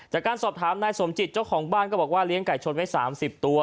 จากการสอบถามนายสมจิตเจ้าของบ้านก็บอกว่าเลี้ยงไก่ชนไว้๓๐ตัว